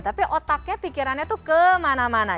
tapi otaknya pikirannya tuh kemana mana